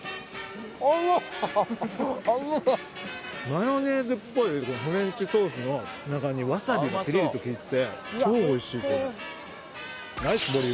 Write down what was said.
マヨネーズっぽいフレンチソースの中にワサビがピリリと利いてて超おいしいこれ。